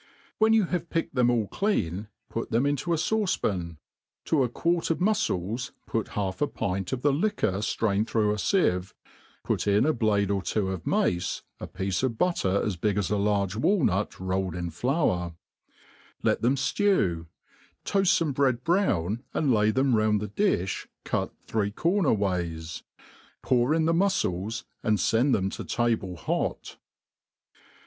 When you have picked them ail clean, put them into a fauce* pan : to a quart of mufcles put half a pint of the liquor flraia^ • •d thM>ugh a fieve, put in a blade or two of mace, a piece of butter as big as a large walnut rolled in flour ; let them flew : iMift fome bead brown, and lay them round the di(h, cut three coraer wayti pour in the mufcles, and (end them to table hot.